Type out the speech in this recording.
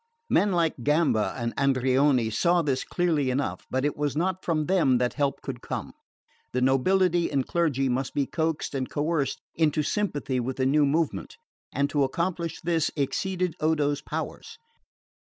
Men like Gamba and Andreoni saw this clearly enough; but it was not from them that help could come. The nobility and clergy must be coaxed or coerced into sympathy with the new movement; and to accomplish this exceeded Odo's powers.